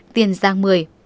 tiền giang một mươi